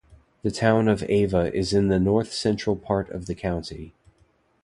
The Town of Ava is in the north central part of the county.